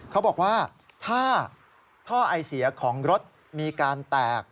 เขาบอกว่าถ้าท่อไอเสียของรถมีการแตก